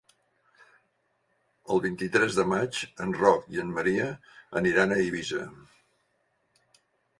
El vint-i-tres de maig en Roc i en Maria aniran a Eivissa.